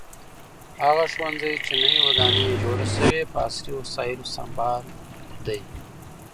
هغه ښوونځی چې نوې ودانۍ یې جوړه شوې په عصري وسایلو سمبال دی.